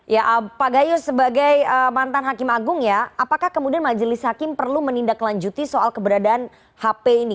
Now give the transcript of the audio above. ya pak gayus sebagai mantan hakim agung ya apakah kemudian majelis hakim perlu menindaklanjuti soal keberadaan hp ini